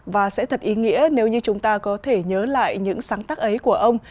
và sẽ thật ý nghĩa nếu như chúng ta có thể nhớ lại những sáng tác ấy của ông